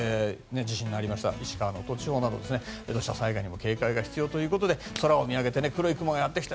地震のありました石川・能登地方など土砂災害にも警戒が必要ということで空を見上げて黒い雲がやってきた